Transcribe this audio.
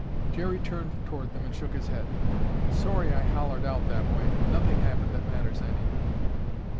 Jerry turned toward them and shook his head. "Sorry I hollered out that way. Nothing happened that matters any."